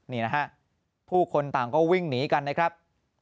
นี่นะฮะผู้คนต่างก็วิ่งหนีกันนะครับ